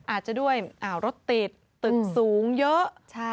อาจจะด้วยรถติดตึกสูงเยอะ